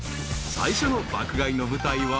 ［最初の爆買いの舞台は］